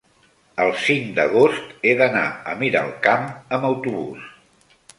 el cinc d'agost he d'anar a Miralcamp amb autobús.